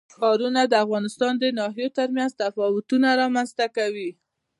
ښارونه د افغانستان د ناحیو ترمنځ تفاوتونه رامنځ ته کوي.